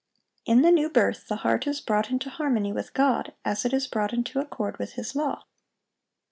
(790) In the new birth the heart is brought into harmony with God, as it is brought into accord with His law.